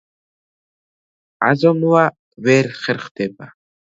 აზომვა ვერ ხერხდება.